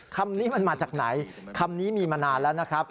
คำนี้มันมาจากไหนคำนี้มีมานานแล้วนะครับ